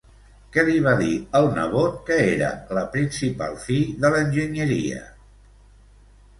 Què li va dir el nebot que era la principal fi de l'enginyeria?